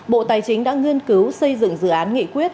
bộ tài chính đã nghiên cứu xây dựng dự án nghị quyết